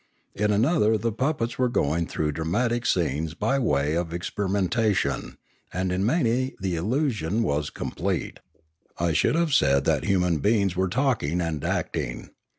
In another the puppets were going through dramatic scenes by way of experi mentation, and in many the illusion was complete; I should have said that human beings were talking and acting.